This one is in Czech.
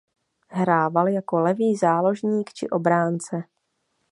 Hrával jako levý záložník či obránce.